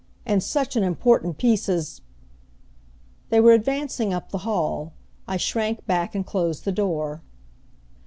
And such an important piece as " They were advancing up the hall. I shrank back and closed the door.